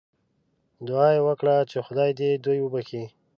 دعا یې وکړه چې خدای دې دوی وبخښي.